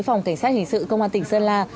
phòng cảnh sát hình sự công an tỉnh sơn la